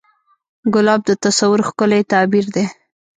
ګلاب د تصور ښکلی تعبیر دی.